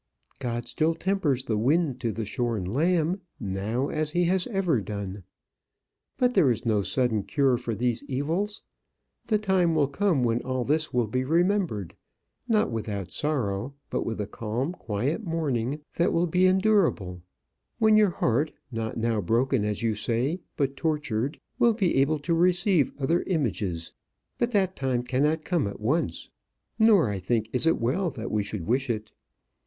"God still tempers the wind to the shorn lamb, now as he has ever done. But there is no sudden cure for these evils. The time will come when all this will be remembered, not without sorrow, but with a calm, quiet mourning that will be endurable; when your heart, now not broken as you say, but tortured, will be able to receive other images. But that time cannot come at once. Nor, I think, is it well that we should wish it.